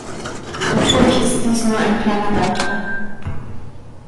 Natürlich ist dies nur ein kleiner Beitrag.